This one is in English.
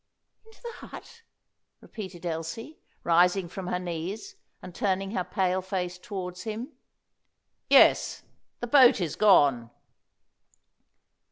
"Into the hut?" repeated Elsie, rising from her knees and turning her pale face towards him. "Yes. The boat is gone."